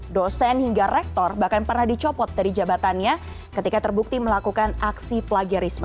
dosen hingga rektor bahkan pernah dicopot dari jabatannya ketika terbukti melakukan aksi plagiarisme